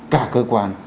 cả cơ quan